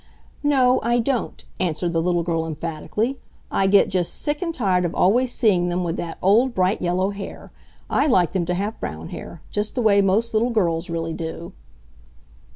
"No, I DON'T!" answered the little girl emphatically. "I get just sick and tired of always seeing them with that old, bright yellow hair! I like them to have brown hair, just the way most little girls really do!"